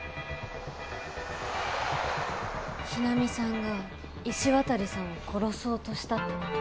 日菜美さんが石渡さんを殺そうとしたってこと？